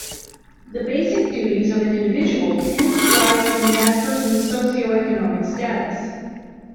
The basic duties of an individual tend to rise from that persons socio-economic status.